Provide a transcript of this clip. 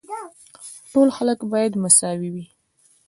ټول خلک باید مساوي وي.